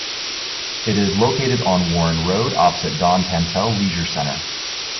It is located on Warren Road opposite Don Tantell Leisure Centre.